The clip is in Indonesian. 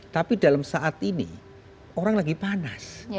tapi dalam saat ini orang lagi panas